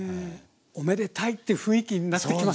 おめでたいって雰囲気になってきますね。